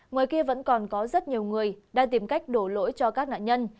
ngoài kia vẫn còn có rất nhiều người đang tìm cách đổ lỗi cho các nạn nhân